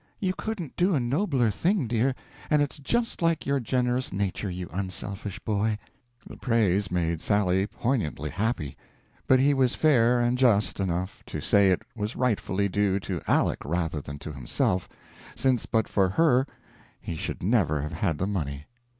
"You couldn't do a nobler thing, dear; and it's just like your generous nature, you unselfish boy." The praise made Sally poignantly happy, but he was fair and just enough to say it was rightfully due to Aleck rather than to himself, since but for her he should never have had the money.